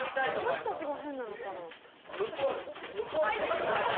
私たちが変なのかな。